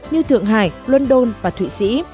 như thượng hải london và thụy sĩ